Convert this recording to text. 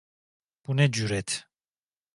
Bu ne cüret?